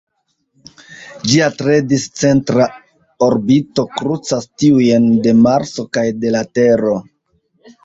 Ĝia tre discentra orbito krucas tiujn de Marso kaj de la Tero.